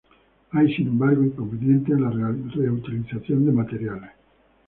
Hay, sin embargo, inconvenientes en la reutilización de materiales.